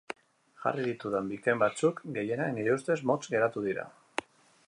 Jarri ditudan bikain batzuk, gehienak nire ustez, motz geratu dira.